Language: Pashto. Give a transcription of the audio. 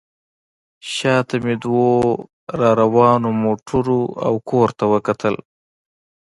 شا ته مې دوو راروانو موټرو او کور ته وکتل.